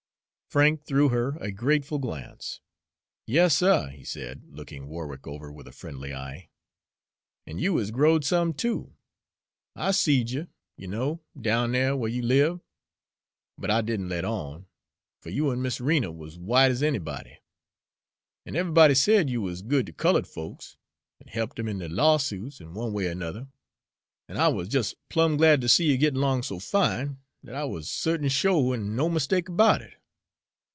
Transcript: Frank threw her a grateful glance. "Yas, suh," he said, looking Warwick over with a friendly eye, "an' you is growed some, too. I seed you, you know, down dere where you live; but I did n' let on, fer you an' Mis' Rena wuz w'ite as anybody; an' eve'ybody said you wuz good ter cullud folks, an' he'ped 'em in deir lawsuits an' one way er 'nuther, an' I wuz jes' plum' glad ter see you gettin' 'long so fine, dat I wuz, certain sho', an' no mistake about it."